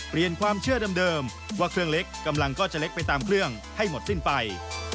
ความเชื่อเดิมว่าเครื่องเล็กกำลังก็จะเล็กไปตามเครื่องให้หมดสิ้นไป